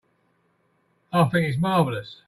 I think it's marvelous.